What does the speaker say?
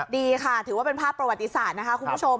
ดีค่ะถือว่าเป็นภาพประวัติศาสตร์นะคะคุณผู้ชม